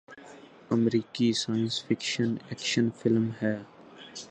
امریکی science fiction action film ہے